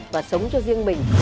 và sống cho riêng mình